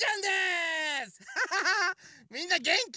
みんなげんき？